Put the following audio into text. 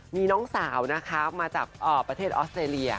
มีน้องสาวนะคะมาจากประเทศออสเตรเลีย